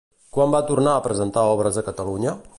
Quan va tornar a presentar obres a Catalunya?